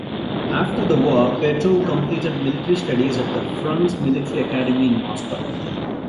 After the war, Petrov completed Military Studies at the Frunze Military Academy in Moscow.